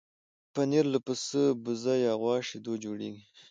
پنېر له پسه، بزه یا غوا شیدو جوړېږي.